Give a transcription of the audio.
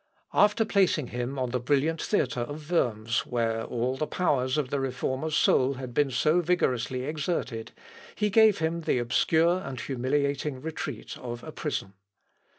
After placing him on the brilliant theatre of Worms, where all the powers of the Reformer's soul had been so vigorously exerted, He gave him the obscure and humiliating retreat of a prison.